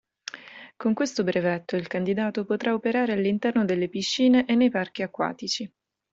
Con questo brevetto il candidato potrà operare all'interno delle piscine e nei parchi acquatici.